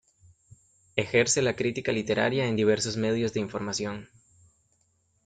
Ejerce la crítica literaria en diversos medios de información.